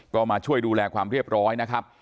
ก็มาช่วยดูแลความเรียบร้อยนะครับ